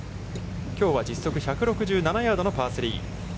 きょうは実測１６７ヤードのパー３。